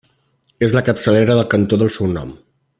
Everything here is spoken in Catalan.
És la capçalera del cantó del seu nom.